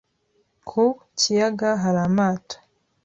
Ku kiyaga hari amato.